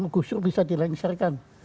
gusdur bisa dilengsarkan